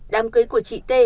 đám cưới của chị t